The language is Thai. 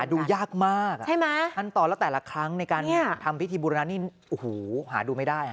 หาดูยากมากขั้นตอนแล้วแต่ละครั้งในการทำพิธีบูรณานี่หาดูไม่ได้